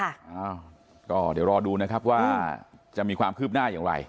อ้าวก็เดี๋ยวรอดูนะครับว่าจะมีความคืบหน้าอย่างไร